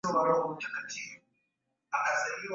pro Kituruki la asili yao Msimamo huo huo